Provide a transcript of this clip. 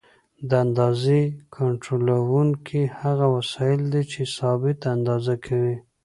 د اندازې کنټرولونکي هغه وسایل دي چې ثابته اندازه کوي.